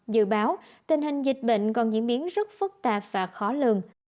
dự báo tình hình dịch bệnh còn diễn biến rất phức tạp và khó lường